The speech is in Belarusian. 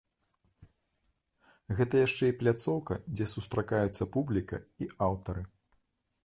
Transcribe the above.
Гэта яшчэ і пляцоўка, дзе сустракаюцца публіка і аўтары.